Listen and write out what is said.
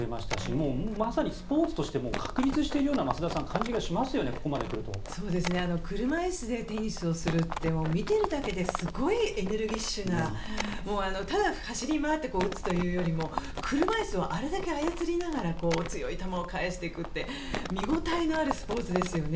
もうまさにスポーツとして確立しているような感じが車椅子でテニスをするって見ているだけですごいエネルギッシュなただ走り回って打つというより車椅子をあれだけ操りながら強い球を返していくって見ごたえのあるスポーツですよね。